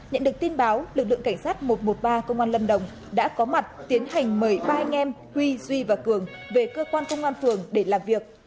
nhận được tin báo lực lượng cảnh sát một trăm một mươi ba công an lâm đồng đã có mặt tiến hành mời ba anh em huy duy và cường về cơ quan công an phường để làm việc